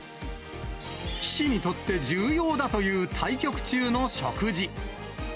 棋士にとって重要だという対局中の食事。